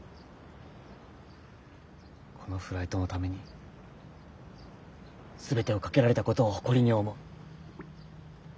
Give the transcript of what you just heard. このフライトのために全てを懸けられたことを誇りに思う。